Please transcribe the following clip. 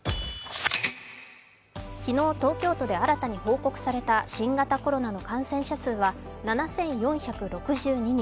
昨日、東京都で新たに報告された新型コロナの感染者数は７４６２人。